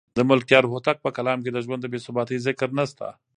د ملکیار هوتک په کلام کې د ژوند د بې ثباتۍ ذکر نشته.